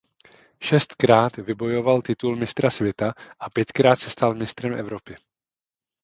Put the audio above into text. Šestkrát vybojoval titul mistra světa a pětkrát se stal mistrem Evropy.